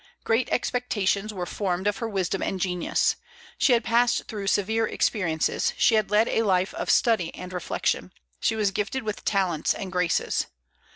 Great expectations were formed of her wisdom and genius. She had passed through severe experiences; she had led a life of study and reflection; she was gifted with talents and graces.